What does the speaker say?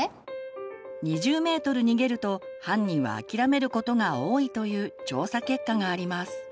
２０ｍ逃げると犯人はあきらめることが多いという調査結果があります。